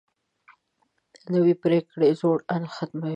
نوې پریکړه زوړ اند ختموي